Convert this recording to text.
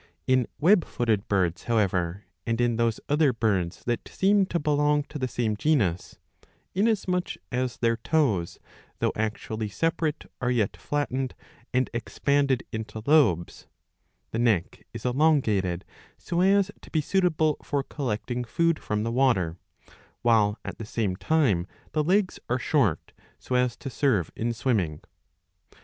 In web footed birds, however, and in those other birds that seem to belong to the same genus, inasmuch as their toes though actually separate are yet flattened and expanded into lobes,^ the neck is elongated, so as to be suitable for collecting food from the water ; while at the same time the legs are short, so as to serve in swimming.